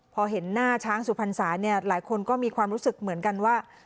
พอเห็นหน้าช้างสุพรรษาเนี่ยหลายคนก็มีความรู้สึกเหมือนกันว่า